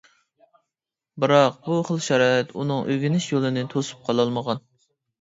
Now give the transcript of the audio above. بىراق بۇ خىل شارائىت ئۇنىڭ ئۆگىنىش يولىنى توسۇپ قالالمىغان.